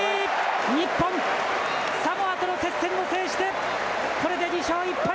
日本、サモアとの接戦を制して、これで２勝１敗。